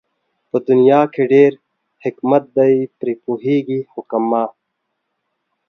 په دنيا کې ډېر حکمت دئ پرې پوهېږي حُکَما